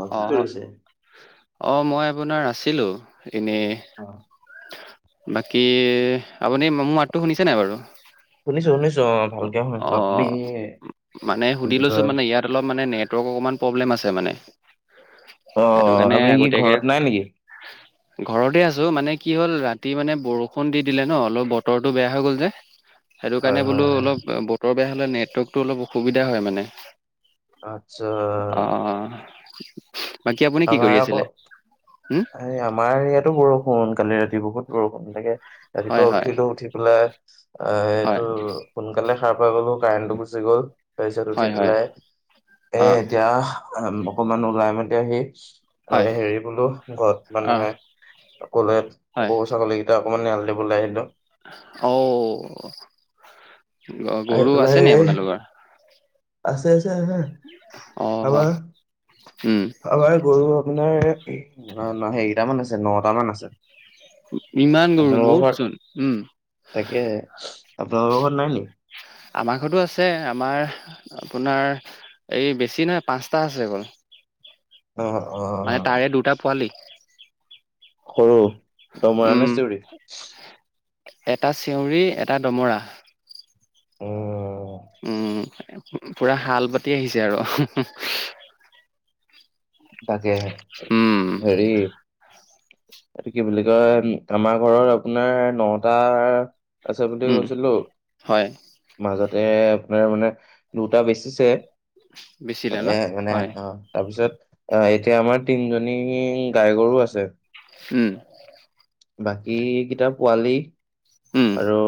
অ কি কৰিছে? অহ মই আপোনাৰ আছিলোঁ। এনে অ বাকী আপুনি মোৰ মাতটো শুনিছে নাই বাৰু। শুনিছোঁ শুনিছোঁ অঁ ভাল- অঁ মানে সুধি বুলি লৈছোঁ কয় মানে ইয়াত- অলপ মানে নেটওয়ার্ক অকমান পব্ৰলেম আছে মানে। সেইটো অঁ কাৰণে আপুনি কি আগতীয়াকে ঘৰত নাই নেকি? ঘৰতে আছোঁ মানে কি হ'ল ৰাতি মানে বৰষুণ দি দিলে ন অলপ বতৰটো বেয়া হৈ গ'ল যে। [inaudible] সেইটো কাৰণে হয় বোলো হয়। অলপ বতৰ বেয়া হ'লে নেটৱৰ্কতটো অলপ অসুবিধা হয় মানে। আতচ্ছা- অঁ বাকী আপুনি কি আমাৰ কৰি আকৌ আছিলে হোম। এই আমাৰ ইয়াতো বৰষুণ কালি ৰাতি বহুত বৰষুণ তাকে - ৰাতিপুৱা হয় হয় উঠিলো উঠি পেলাই আহ হয় এইটো- সোনকালে সাৰ পাই গলোঁ কাৰেণ্টটো গুচি গ'ল তাৰপিছত উঠি হয় হয় পেলাই এ অ এতিয়া- অকমান ওলাই মতে আহি হয় হেৰি বোলো- ঘৰত অ মানুহে অকলে হয় গৰু ছাগলী কেইটা অকমান এৰাল দিবলৈ আহিলোঁ। অঁ গ আহি গৰু আছে নি পেলাই আপোনালোকৰ? আছে আছে অ আমাৰ- উম, আমাৰ গৰু আপোনাৰ সেৰিটামান আছে নহটা মান আছে। ইমান গৰু বহুত চোন উমঁ। তাকেহে আপোনালোকৰ ঘৰত নাই নি? আমাৰ ঘৰতো আছে আমাৰ আপোনাৰ- এই বেছি নাহই পাঁচটা আছে অকল। অঁ অহ! মানে তাৰে দুটা পোৱালি- সৰু। দমৰা নে উমঁ চেউৰী এটা চিউৰি এটা দমৰা। অঁ অঁ! উমঁ পুৰা হাল বাতি আহিছে আৰু। তাকে হে উম, হেৰি- এইটো কি বুলি কয় আমাৰ ঘৰৰ আপোনাৰ নটাৰ উম, হয় [unintelligible] মাজতে আপোনাৰ মানে দুটা বেচিছে। বেচিলে [unintelligible] ন হয় অ'। তাৰপিছত অ', এতিয়া আমাৰ তিনিজনী গাই গৰু আছে। উম। বাকী কেইটা পোৱালি উম, আৰু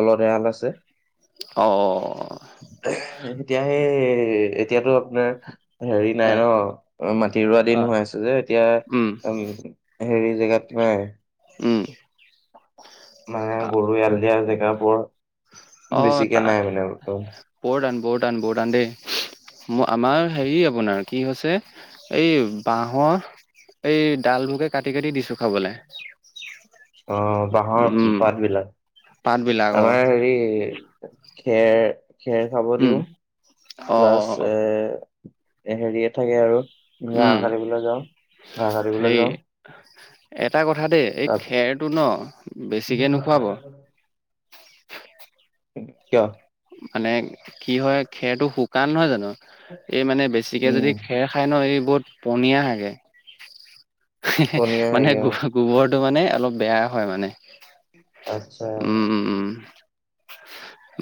বলদ এহাল আছে। অ', অ'। এতিয়াহে এতিয়াতো আপোনাৰ হেৰি নাই হয় ন' মাটি ৰোৱা দিন অ', হৈ আছে যে এতিয়া উম, উ হেৰি জেগাত নাই। উম। মানে গৰু এৰাল দিয়া জেগা বৰ অ', বেছিকে নাই মানে ত বৰ্তমান। বৰ টান বৰ টান বৰ টান দেই। ম আমাৰ হেৰি আপোনাৰ কি হৈছে এই বাঁহৰ এই ডালভোকে কাটি কাটি দিছো খাবলৈ। অ', বাঁহৰ উম পাত বিলাক? পাত বিলাক অ আমাৰ হেৰি খেৰ খেৰ খাব উম দিওঁ অ অ প্লাছ অ এ হেৰিয়ে থাকে আৰু উম ঘাঁহ কাটিবলৈ যাওঁ, ঘাঁহ হেৰি কাটবলৈ যাওঁ। এটা কথা দেই এই তাৰপিছত খেৰটো ন' বেছিকে নোখোৱাব। কিয়? মানে কি হয় খেৰটো শুকান নহয় জানো এই মানে বেছিকে উম যদি খেৰ খাই ন' এই বহুত পনীয়া হাগে। পনীয়া মানে হয়গে অ গ-গোবৰটো মানে অলপ বেয়া হয় মানে। আত্ছা। উম উম উম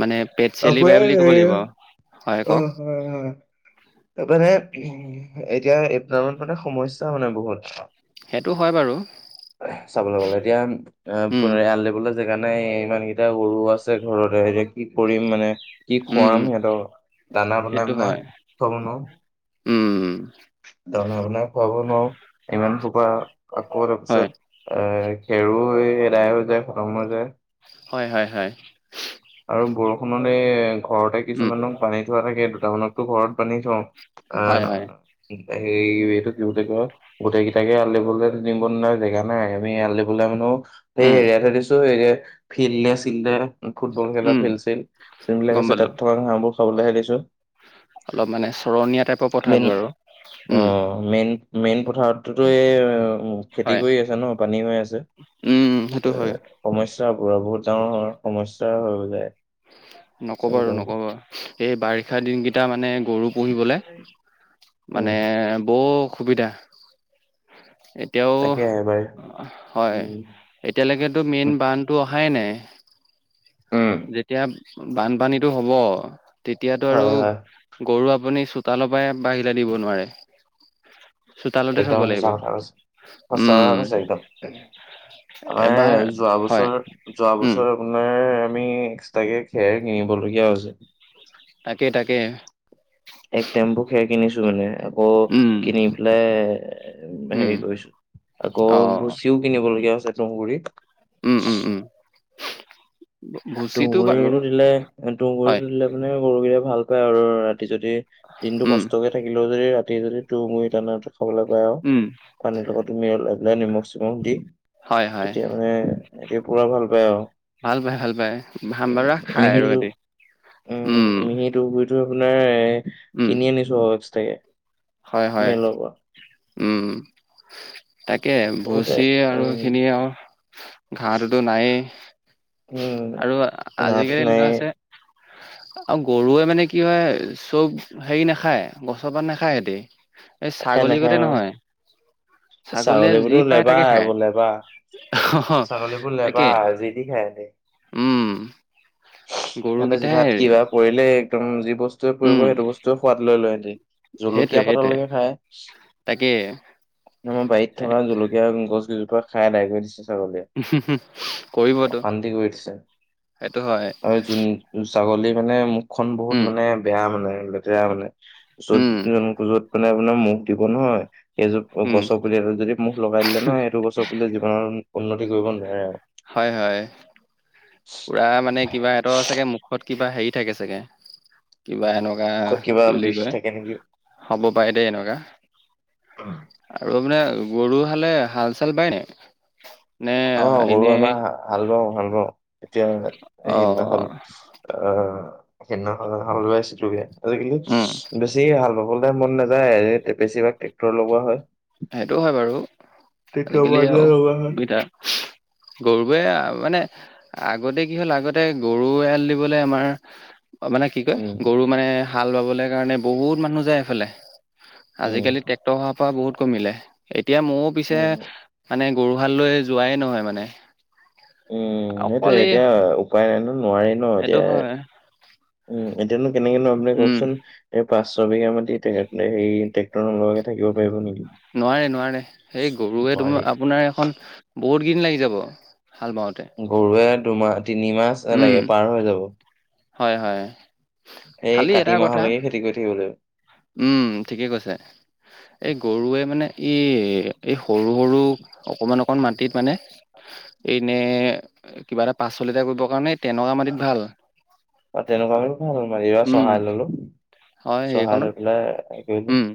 মানে পেট চেলি বাই আপোনাৰ বুলি ক'ব এই লাগিব আৰু, হয় অ কওক? হয়, হয়। তাৰ মানে উ, এতিয়া এইপিনত মানে সমস্যা মানে বহুত। সেইটো হয় বাৰু চাবলৈ গ'লে এতিয়া, উম আহ [unintelligible] এৰাল দিবলৈ জেগা নাই ইমানকেইটা গৰু আছে ঘৰতে এতিয়া কি কৰিম মানে। কি উম খুৱাম সিহঁতক দানা বনাই সেইটো বনাই হয় খুৱাব নোৱাৰো। উম। দানা বনাই খুৱাব নোৱাৰো ইমান সোপা আকৌ হয় তাৰপিছত এ খেৰো এ এদায় হৈ যায়, খতম হৈ যায়। হয়, হয়, হয়। আৰু বৰষুণতে ঘৰতে উম কিছুমানক বান্ধি থোৱা থাকে, দুটামানকতো ঘৰতে বান্ধি থওঁ। হয় অ', হয় হেৰি এইটো কি বুলি কয়? গোটেইকেইটাকে এৰাল দিবলৈ নি বন্ধা জেগা নাই আমি এৰাল দিবলৈ আনো সেই উম হেৰিয়াত হে দিছো এই ফিল্ডে-চিল্ডে উ। ফুটবল খেলা উম ফিল্ড-ছিল্ড যোনবিলাক গম আছে পালো তাত থকা ঘাঁহবোৰ খাবলৈহে দিছো। অলপ মানে চৰণীয়া টাইপৰ মেইন পথাৰবোৰ আৰু অ উম। মেইন মেইন পথাৰত তোটো এই খেতি হয়। কৰি আছে ন' পানী হৈ আছে, উম সেইটো হয় ত' সমস্যা পুৰা বহুত ডাঙৰ হয় সমস্যা হৈ যায়। নকবা চাবলৈ আৰু গ'লে। নকবা এই বাৰিষা দিনকেইটা মানে গৰু পুহিবলে উম মানে বৰ অসুবিধা। এতিয়াও তাকে এবাৰ হয়। উম, এতিয়ালৈকেতো মেইন বানটো অহাই নাই। উম। যেতিয়া বানপানীটো হব, তেতিয়াতো আৰু। হয়, হয়, গৰু আপুনি চোতালৰ পৰাই বাহিৰলে দিব নোৱাৰে। চোতালতে থব একদম লাগিব সঁচা কথা কৈছে, সঁচা উম কথা কৈছে একদম। আমাৰে এবাৰ যোৱা হয় বছৰ, যোৱা উম বছৰ। আপোনাৰ আমি এক্সট্ৰাকে খেৰ কিনিব লগীয়া হৈছে। তাকে, তাকে। এক টেম্পু খেৰ কিনিছো মানে। আকৌ উম কিনি পেলাই উম হেৰি কৰিছো। আকৌ অ ভুচিও কিনিব লগীয়া হৈছে তুঁহগুৰি। উম- উম- উম। ভুচিটো বাৰু তুঁহগুৰিটো দিলে, এ হয়, তুহগুৰিটো দিলে। মানে গৰুকেইটাই ভাল পায় আৰু। ৰাতি যদি দিনটো উম, কষ্টকে থাকিলেও যদি ৰাতি যদি তুঁহগুৰি দানাটো খাবলৈ পাই আৰু। উম, পানীৰ লগত তুমি মিহলাই পেলাই নিমখ- চিমখ দি। হয়- হয়। তেতিয়া মানে সিহঁতি পূৰা ভাল পায় আৰু। ভাল পায়, ভাল পায়, ভাম বাৰা উম খায় আৰু মিহিটো ৰাতি, উম। এইটো আপোনাৰ এ উম, কিনি আনিছো আৰু এক্সটাকে। হয়- হয়, উম- উম। তাকে বহুতে ভুচি আৰু উম এইখিনি আৰু ঘাঁহটোতো নায়েই। উম আৰু গাঁৱতো আজিকালি নাই এনেকুৱা হৈছে। আৰু গৰুৱে মানে কি হয়, চব হেৰি নাখায় গছৰপাত নাখায়। এই, এই নাখায় ছাগলী নাখায় গোটে নহয়। আৰু ছাগলীয়ে ছাগলীবোৰতো যি পায়, লেবা তাকে এইবোৰ লেবা খায়। অ, ছাগলীবোৰ লেবা তাকে যি তি খাই উম। সিহঁতে গৰুকেইটাহে জিভাত হেৰি কিবা পৰিলেই একদম যি বস্তুৱে পৰিব, উম সেইটো বস্তুৱে সোৱাদ লৈ লয় সিহঁতি। সেইটোৱে জলকীয়া সেইটোৱে পাতলৈকে খায়। তাকে আমাৰ বাৰীত থকা জলকীয়া গছকেইজোপা খাই আদায় কৰি দিছে ছাগলীয়ে। কৰিবতো, অশান্তি কৰি দিছে সেইটো হয়। আৰু যোন ছাগলী মানে, মুখখন বহুত উম মানে বেয়া মানে, লেতেৰা মানে। য'ত, উম য'ত মানে আপোনাৰ মুখ দিব নহয়, সেই য'ত উম গছ পুলি যদি মুখ লগাই দিলে নহয়, এইটো গছৰ জীৱনত উন্নতি কৰিব নোৱাৰে আৰু। প্ৰায় মানে কিবা সিহঁতৰ চাগে মুখত কিবা হেৰি থাকে চাগে। এ, কিবা এনেকুৱা মুখত কিবা কি বুলি বিষ কয় থাকে নেকি? হব পাৰি দেই এনেকুৱা। আৰু মানে গৰু হালে, হাল চাল বাই নে? অ, গৰু এনে আমাৰ হাল বাওঁ, হাল বাওঁ, এতিয়া অ সেই দিনাখন আহ, সেইদিনা হাল বাইছিলোগে। আজিকালি উম বেছি বেছি হাল বাবলে মন নাযায়। বেছিভাগ ট্ৰেক্টৰ লগোৱা হয়। সেইটো হয় বাৰু, ট্ৰেক্টৰ আজিকালি আৰু লগোৱা হয়। দুইটাৰ গৰুৱে আ, মানে আগতে কি হ'ল, আগতে গৰু এৰাল দিবলৈ আমাৰ মানে কি কয়, উম, গৰু মানে হাল বাবলৈ কাৰণে বহুত মানুহ যায় এইফালে। উম, আজিকালি ট্ৰেক্টৰ হোৱাৰ পৰা বহুত কমিলে। এতিয়া মোৰো পিছে উম। মানে গৰুহাল লৈ যোৱাই নহয় মানে। উমঁ' অকল সেইটোয়ে, এই এতিয়া উপায় নাই নহ‌য়, নোৱাৰে ন' সেইটো এতিয়া। হয় উমঁ' এতিয়ানো কেনেকেনো আপুনি উম কওঁকচোন- এই পাঁচ ছয় বিঘা মাটি সেই ট্ৰেক্টৰ নলগাকৈ থাকিব পাৰিব নেকি। নোৱাৰে নোৱাৰে, সেই গৰুৱে নোৱাৰি তোমাৰ আপোনাৰ এখন বহুত দিন লাগি যাব হাল বাওঁতে। গৰুৱে দুমাহ তিনিমাহ উম লাগে পাৰ হৈ যাব। হয় হয়। এই খালি কাতি মাহলৈকে খেতি কৰি থাকিব লাগিব। উমঁ' ঠিকেই কৈছা। এই গৰুৱে মানে ই এই সৰু-সৰু অকমান অকমান মাটিত মানে এনে কিবা এটা পাচলি এটা কৰিব কাৰণে তেনেকুৱা মাটিত ভাল। তেনেকুৱা মাটি ভাল। মাটিতো এইবাৰ উম চহাই ললোঁ হয় চহাই সেইকণত লৈ পেলাই উম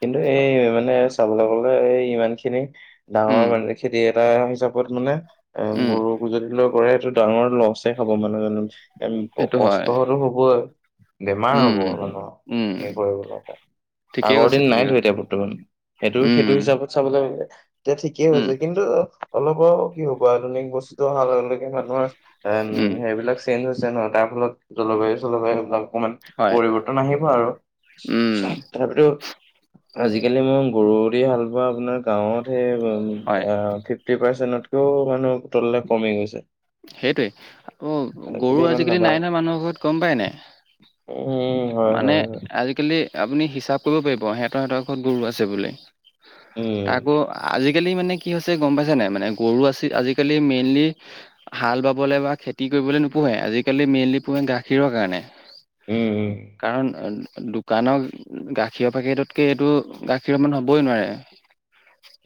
কিন্তু এই মানে চাবলৈ গ'লে এই ইমানখিনি ডাঙৰ উম মানে খেতি এটা হিচাপত মানে এ উম গৰু [unintelligible] লৈ কৰে সেইটো ডাঙৰ লষ্টে হ'ব মানে [unintelligible] সেইটো হয় কষ্টতো হ'বই বেমাৰ উম হ'ব মানুহৰ উম এ কৰিব ল'লে। ঠিকেই আগৰ কৈছে দিন ঠিকেই নাইতো কৈছে এতিয়া বৰ্তমান। সেইটো উম সেইটো হিচাপত চাবলৈ গ'লে এতিয়া ঠিকেই উম হৈছে কিন্তু অলপ কি হ'ব আধুনিক বস্তুতো অহাৰ লগে লগে মানুহৰ এম উম সেইবিলাক চেঞ্জ হৈছে নহয়। তাৰ ফলত জলবায়ু-চলবায়ুৰ এইবিলাক অকণমান হয় পৰিবৰ্তন আহিব আৰু। উম তথাপিতো আজিকালি মোৰ গৰু দি হাল বোৱা আপোনাৰ গাঁৱত সেই হয় উমঁ' ফিফটি পাৰ্চেন্টতকেও মানুহ তললৈ কমি গৈছে। সেইটোৱে, উমঁ' গৰু আজিকালি নাই নহয় মানুহৰ ঘৰত, গম পাই নে? উমঁ। মানে আজিকালি আপুনি হিচাপ কৰিব পাৰিব সিহঁতৰ সিহঁতৰ ঘৰত গৰু আছে বুলি। উম তাকো আজিকালি মানে কি হৈছে গম পাইছা নাই মানে গৰু আছিল, আজিকালি মেইনলি হাল বাবলৈ বা খেতি কৰিবলৈ নুপুহে, আজিকালি মেইনলি পুহে গাখীৰৰ কাৰণে। উমঁ' উমঁ'। কাৰণ দোকানৰ গাখীৰ পেকেটতকৈ এইটো গাখীৰ সমান হ'বই নোৱাৰে। [unintelligible]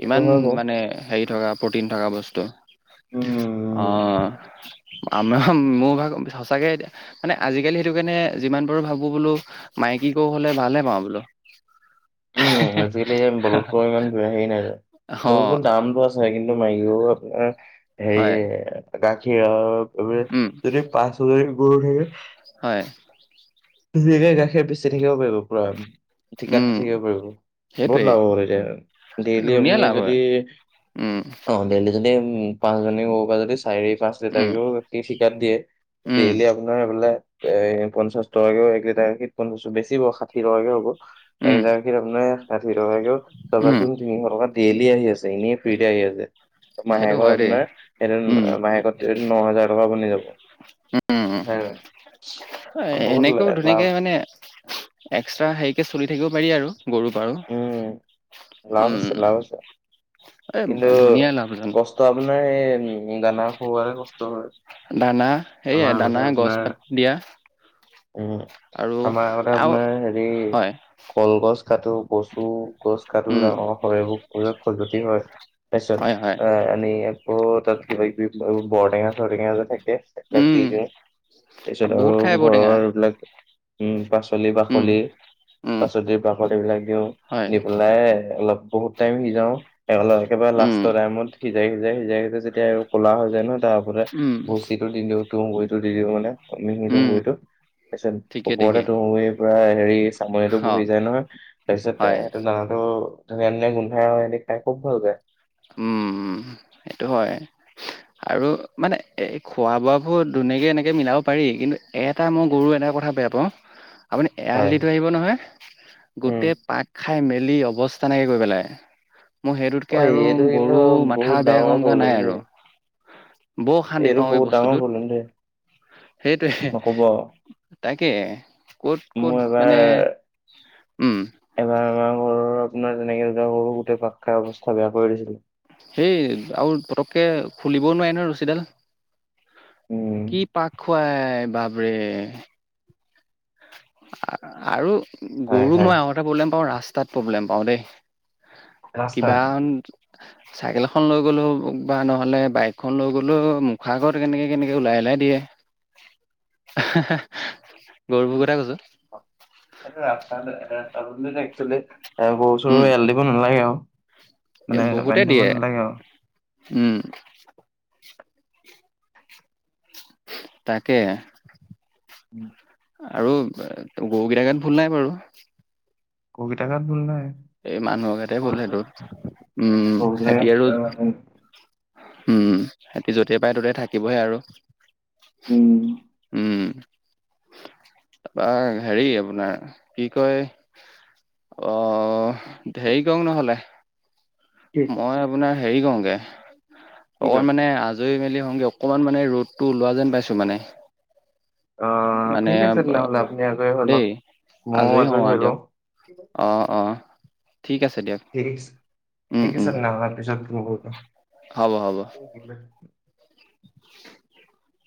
সেইটো ইমান হয় বাৰু মানে হেৰি থকা প্ৰটিন থকা বস্তু। উম অঁ। আমাৰ, মোৰ ভাগ, সঁচাকে এতিয়া মানে আজিকালি সেইটো কাৰণে যিমান পাৰো ভাবো বোলো মাইকী গৰু হ'লে ভালে পাওঁ বোলো। উমঁ' আজিকালি বলধ গৰু ইমানে হেৰি নাই আৰু অ সলোতো দামটো আছে কিন্তু মাইকী গৰু আপোনাৰ হয় হেৰি গাখীৰ উম যদি পাঁচ ছ‌য়জনী গৰু থাকে হয়। ধুনীয়াকে গাখীৰ বেছি থাকিব পাৰিব পুৰা উম ঠিকাত। পাৰিব। বহুত সেইটোৱে লাভ হ'ব তেতিয়া ডেইলি ধুনীয়া আপুনি লাভ যদি হয় উম অঁ' ডেইলী যদি উমঁ' পাঁচজনী গৰু পৰা যদি চাৰি পাঁচ লিটাৰ উম কেও গাখী ঠিকাত দিয়ে। উম ডেইলি আপোনাৰ এইফেলে এ, পঞ্চাশ টকাকেও এক লিটাৰ সে পঞ্চাশ বেছি হ'ব, ষাঠি টকাকে হ'ব। এক উম লিটাৰ গাখীৰ আপোনাৰ ষাঠি টকাকেও ছয় পাছ উম গুণ তিনিশ টকাত ডেইলি আহি আছে, এনেই ফ্ৰীতে আহি আছে। সেইটো মাহেকত হয় দেই আপোনাৰ উম সেই মাহেকত ন হাজাৰ টকা বনি যাব। উম [unintelligible] বহুত এনেকেও ল'লে লাভ। ধুনীয়াকে মানে এক্সট্ৰা হেৰিকে চলি থাকিব পাৰি, আৰু গৰুৰপা আৰু। উম লাভ আছে, লাভ আছে এই কিন্তু ধুনীয়া লাভজন কষ্ট ত' আপোনাৰ এই উম, দানা খুৱাৰে কষ্ট হয়। দানা, সেয়ে আমাৰ আগতে দানা, গছ আপোনাৰ পাত দিয়া। উম, আৰু আমাৰ আগতে আৰু আপোনাৰ হেৰি হয় কলগছ কাটো, কচু গছ কাটো, উম ডাঙৰ সৰিয়হবোৰ খজতি হয়। তাৰপিছত হয় হয় এ, আনি তাত কিবা কিবি বৰ টেঙা চৰ টেঙা যে থাকে ইয়াক দি উম দিওঁ তাৰপিছত আৰু বহুত খাই ঔটেঙা ঘৰৰ এইবিলাক উম, পাচলি, উম পাখলি, উম পাচলিৰ পাকত এইবিলাক দিওঁ হয় দি পেলাই পেলায়ে অলপ বহুত টাইম সিজাও, একেবাৰে উম লাষ্টৰ টাইমত সি সিজাই সিজাই সিজাই সিজাই যেতিয়া এইবোৰ কলা হৈ যায় নহয় তাৰপতে উম ভুচিটো দি দিওঁ তুহগুৰিটো দি দিওঁ মানে। মিহিটো উম হুইটো তাৰপিছত ঠিকে ওপৰতে ঠিকে তুই পুৰা হেৰি চামৰিটো অ বহি যায় নহয় তাৰপিছত হয় এ দানাটো ধুনীয়া ধুনীয়া গোন্ধাই আৰু সিহঁতে খাই খুব ভাল পায়। উম, সেইটো হয়। আৰু মানে এ, খোৱা বোৱাবোৰ ধুনীয়াকে এনেকে মিলাব পাৰি কিন্তু এটা মই গৰু এটা কথা বেয়া পাওঁ আপুনি এৰাল হয় দি থৈ আহিব নহয়, উম গোটেই পাক খাই মেলি অৱস্থা নাই কৈ পেলাই, মোৰ সেইটোত ঐ এইটো কিন্তু বহুত ডাঙৰ কৰা নাই প্ৰব্লেম দেই। আৰু বৰ অশান্তি এইটো পাওঁ এই বহুত ডাঙৰ প্ৰব্লেম দেই বস্তুটোত। সেইটোৱে, নক'ব তাকে, ক'ত মোৰ ক'ত মানে এবাৰ উম। এবাৰ আমাৰ ঘৰৰ আপোনাৰ তেনেকে দুটা গৰু গোটেই পাক খাই অৱস্থা বেয়া কৰি দিছিল। সেই আৰু পটককে খুলিবও নোৱাৰি নহয় ৰছীডাল। উম, কি পাক খুৱাই, বাপৰে। আ-আৰু হয় গৰু হয় মই আগত টা প্ৰব্লেম পাওঁ ৰাস্তাত প্ৰব্লেম পাওঁ দেই, ৰাস্তাত। কিবা [inaudible] চাইকেল এখন লৈ গ'লেও বা নহ'লে বাইকখন লৈ গ'লেও মুখা আাগৰত কেনেকে কেনেকে ওলাই ওলাই দিয়ে। [inaudible] [inaudible] গৰুবোৰ কথা কৈছ। এইটো ৰাস্তাত ৰাস্তাটো একচেলি, এ গৰু চৰু উম এয়াল দিব নালাগে আৰু। এ মানে বহুতে বান্ধি থ'ব দিয়ে নালাগে আৰু। উম। তাকে। [inaudible] আৰু গৰুকেইটা গাত ভুল নাই বাৰু। গৰু কেইটা গাত ভুল নাই। এই, মানুহ গাতে ভুল সেইটো। উম! গৰুলে [unintelligible] আৰু উম, সিহঁতি য'তে পাই, ত'তে থাকিবহে আৰু। উম! উম! তাৰপৰা, সেৰি আপোনাৰ, কি কয়! অ'! সেৰি কওঁক নহ'লে। কি মই আপোনাৰ সেৰি কৰোঁগে। কি মই কয় মানে, আ ধুই-মেলি আহোঙগে। অকমান মানে, ৰ'দটো ওলোৱা যেন পাইছোঁ মানে। অ'! মানে ঠিক আছে, তেনেহ'লে, আপুনি আজৰি হৈ লওঁক। দেই মইয়ো হওঁ আজৰি আৰু হৈ দিয়ক লওঁ। ঠিক অ'! অ'! ঠিক আছে, দিয়ক। ঠিক আছে, উম ঠিক উম আছে তেনেহ'লে, পিছত ফোন কৰিম। হ'ব, হ'ব। [unintelligible] [unintelligible]